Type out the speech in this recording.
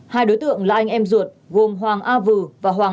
hai đối tượng là anh em ruột gồm hoàng a vư và hoàng a